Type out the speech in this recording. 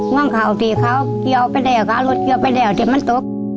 ร่วงข้าวที่เขาเยอะไปแล้วค่ะรถเยอะไปแล้วเจ็บมันตก